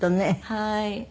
はい。